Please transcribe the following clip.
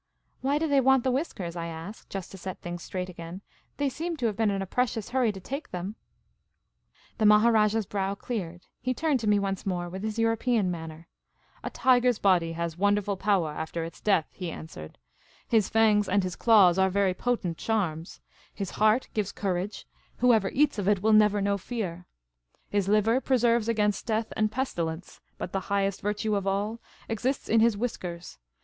" Why do they want the whiskers ?" I asked, just to set The Magnificent Maharajah 259 things straight again. " The}' seem to have been in a pre cious hurry to take them !": ^AW UIM NOW TllK UKIKiNTAL DKSPOT. The Maharajah's brow cleared. He turned to me once more with his Kuropean manner. " A tiger's body has 26o Miss Caylcy's Adventures wonderful power after his death," he answered. " His fangs and his claws are very potent charms. His heart gives courage. Whoever eats of it will never know fear. His liver preserves against death and pestilence. But the highest virtue of all exists in his whiskers.